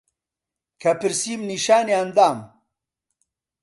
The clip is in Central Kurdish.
کە پرسیم نیشانیان دام